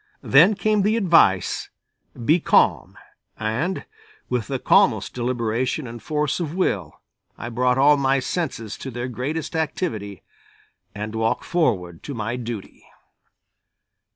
Then came the advice: "Be calm!" and with the calmest deliberation and force of will I brought all my senses to their greatest activity and walked forward to my duty.